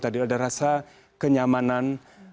ada rasa kenyamanan